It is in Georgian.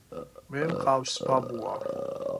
მე მყავს ბაბუა